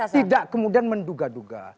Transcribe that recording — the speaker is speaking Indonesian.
tidak kemudian menduga duga